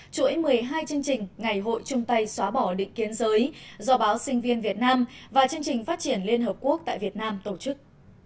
chuỗi một mươi hai chương trình ngày hội chung tay xóa bỏ định kiến giới do báo sinh viên việt nam và chương trình phát triển liên hợp quốc tại việt nam tổ chức